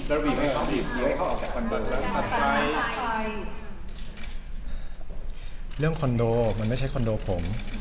อ่าเรื่องคอนโดมันไม่ใช่คอนโดผม